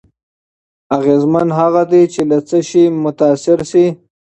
اغېزمن هغه دی چې له څه شي متأثر شي.